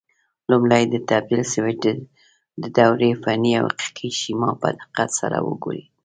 لومړی د تبدیل سویچ د دورې فني او حقیقي شیما په دقت سره وګورئ.